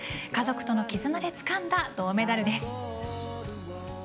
家族とのきずなでつかんだ銅メダルです。